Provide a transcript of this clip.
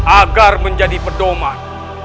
agar menjadi pedoman